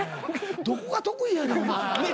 どこが得意やねんお前。